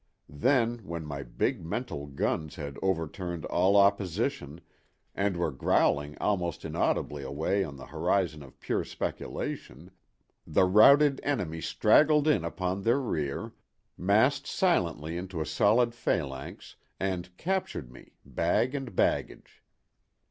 Then, when my big mental guns had overturned all opposition, and were growling almost inaudibly away on the horizon of pure speculation, the routed enemy straggled in upon their rear, massed silently into a solid phalanx, and captured me, bag and baggage.